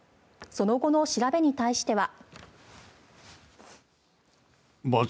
その後の調べに対しては。